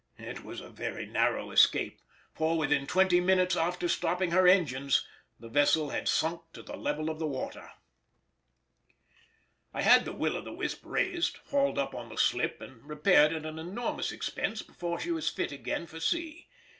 It was a very narrow escape, for within twenty minutes after stopping her engines the vessel had sunk to the level of the water. I had the Will o' the Wisp raised, hauled up on the slip, and repaired at an enormous expense before she was fit again for sea.